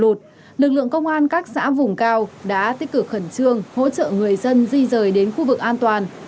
lực lượng công an các xã vùng cao đã tích cực khẩn trương hỗ trợ người dân di rời đến khu vực an toàn